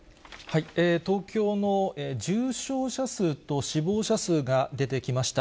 東京の重症者数と死亡者数が出てきました。